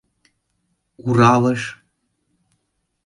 Уралыш...